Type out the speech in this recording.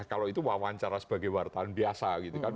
kalau itu wawancara sebagai wartawan biasa gitu kan